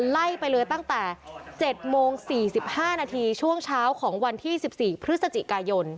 ไล่ไปเลยตั้งแต่๗โมง๔๕นาทีช่วงเช้าของวันที่๑๔พฤศจิกายน